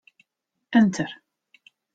Enter.